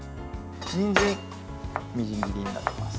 にんじん、みじん切りにします。